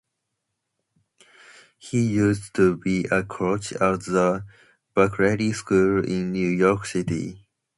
He used to be a coach at the Buckley School in New York City.